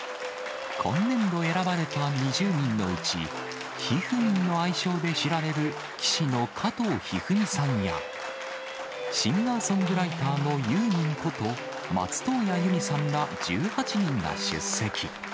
今年度選ばれた２０人のうち、ひふみんの愛称で知られる棋士の加藤一二三さんや、シンガーソングライターのユーミンこと、加藤一二三殿。